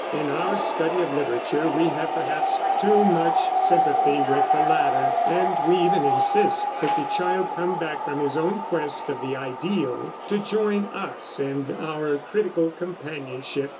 In our study of literature we have perhaps too much sympathy with the latter, and we even insist that the child come back from his own quest of the ideal to join us in our critical companionship.